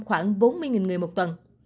khoảng bốn mươi người một tuần